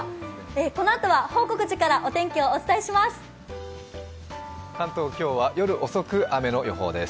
このあとは報国寺からお天気をお伝えします。